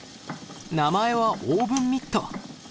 名前はオーブンミット。